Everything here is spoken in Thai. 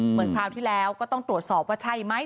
คราวที่แล้วก็ต้องตรวจสอบว่าใช่ไหม